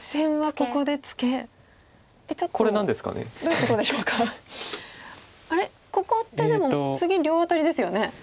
ここってでも次両アタリですよね。